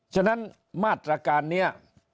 ฉะนั้นมาตรการนี้